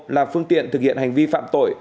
là phương tiện thực hiện hành vi phạm tội